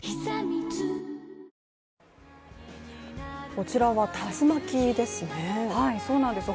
こちらは竜巻ですね。